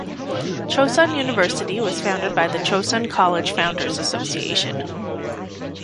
Chosun University was founded by the Chosun College Founders' Association.